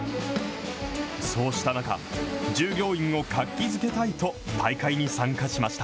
そうした中、従業員を活気づけたいと大会に参加しました。